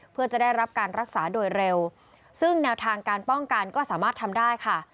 เพื่อจะได้รับการรักษาโดยเร็วซึ่งแนวทางการป้องกันก็สามารถทำได้ค่ะ